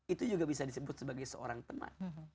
itu juga bisa disebut sebagai seorang teman